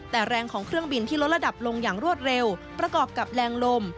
แต่แรงของเครื่องบินที่ลดระดับลงอย่างรวดเร็วประกอบกับแรงลม